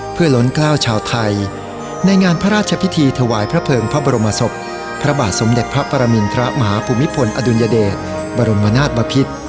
เพื่อล้นกล้าวชาวไทยในงานพระราชพิธีถวายพระเภิงพระบรมศพพระบาทสมเด็จพระปรมินทรมาฮภูมิพลอดุลยเดชบรมนาศบพิษ